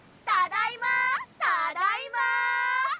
ただいま！